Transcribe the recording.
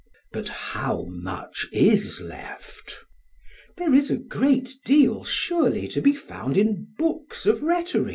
But how much is left? PHAEDRUS: There is a great deal surely to be found in books of rhetoric?